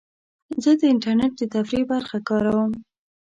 زه د انټرنیټ د تفریح برخه کاروم.